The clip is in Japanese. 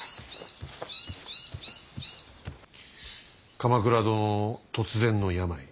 鎌倉殿の突然の病。